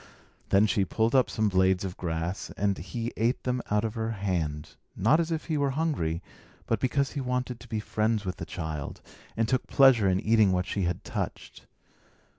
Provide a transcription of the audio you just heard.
Then she pulled up some blades of grass, and he ate them out of her hand, not as if he were hungry, but because he wanted to be friends with the child, and took pleasure in eating what she had touched.